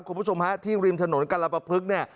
คุณผู้ชมที่ริมถนนกัลปะพรึก